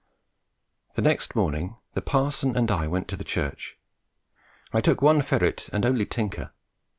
The next morning the parson and I went to the church. I took one ferret and only Tinker.